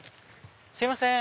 すいません